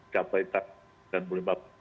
capai tak dan boleh bapak